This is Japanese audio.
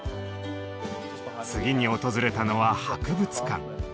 次に訪れたのは博物館。